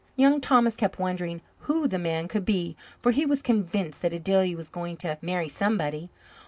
Young Thomas kept wondering who the man could be, for he was convinced that Adelia was going to marry somebody.